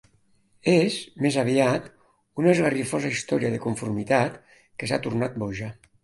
És, més aviat, una esgarrifosa història de conformitat que s'ha tornat boja.